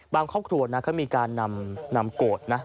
บางครอบครัวเขามีการนำโกรธ